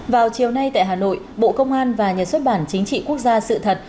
vào chiều nay tại hà nội bộ công an và nhà xuất bản chính trị quốc gia sự thật